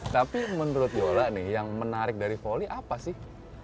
tapi menurut yola nih yang menarik dari volley apa sih